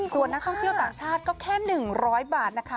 ส่วนนักท่องเที่ยวต่างชาติก็แค่๑๐๐บาทนะคะ